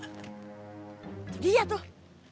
itu dia tuh